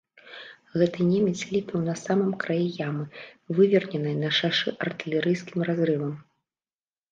Гэты немец ліпеў на самым краі ямы, выверненай на шашы артылерыйскім разрывам.